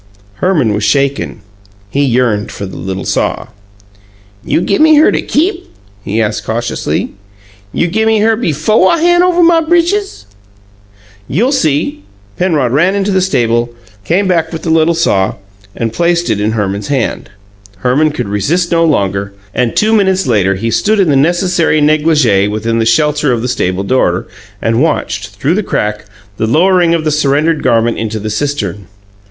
Herman was shaken; he yearned for the little saw. "You gimme her to keep?" he asked cautiously. "You gimme her befo' I han' over my britches?" "You'll see!" Penrod ran into the stable, came back with the little saw, and placed it in Herman's hand. Herman could resist no longer, and two minutes later he stood in the necessary negligee within the shelter of the stable door, and watched, through the crack, the lowering of the surrendered garment into the cistern.